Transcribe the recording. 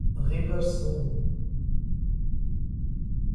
Riversul